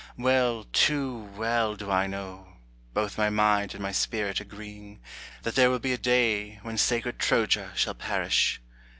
Well, too well, do I know, both my mind and my spirit agreeing, That there will be a day when sacred Troja shall perish.